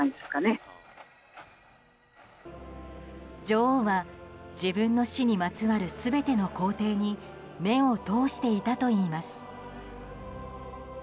女王は自分の死にまつわる全ての工程に目を通していたといいます。